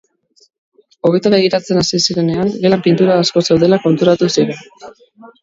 Hobeto begiratzen hasi zirenean, gelan pintura asko zeudela konturatu ziren.